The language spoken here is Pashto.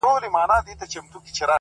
هره ورځ د بدلون فرصت دی’